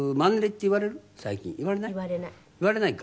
言われないか。